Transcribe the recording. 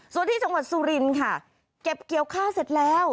ส่วนที่จังหวัดสุรินค่ะเก็บเกี่ยวข้าวเสร็จแล้ว